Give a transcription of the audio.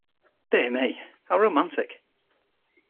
Dear me, how romantic!